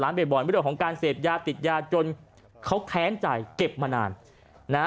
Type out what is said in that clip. หลานเบบออนวิดีโอของการเสพยาติดยาจนเขาแท้ใจเก็บมานาน